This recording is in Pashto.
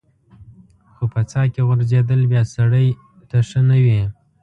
خو په څاه کې غورځېدل بیا سړی ته ښه نه وي.